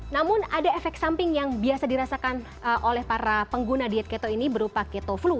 namun ada efek samping yang biasa dirasakan oleh para pengguna diet keto ini berupa keto flu